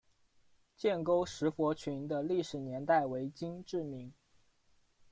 建沟石佛群的历史年代为金至明。